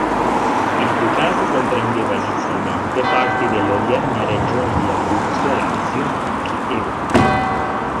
Il ducato comprendeva inizialmente parti delle odierne regioni di Abruzzo, Lazio, Marche e Umbria.